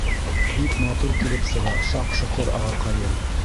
— Бик матур килеп сыға, Шаҡ-Шоҡор ағаҡайым!